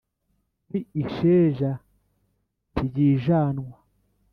ni isheja ntiyijanwa